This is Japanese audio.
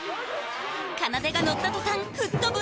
かなでが乗った途端吹っ飛ぶ